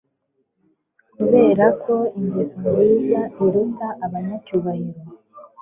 kuberako ingeso nziza iruta abanyacyubahiro